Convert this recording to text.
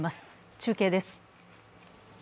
中継です。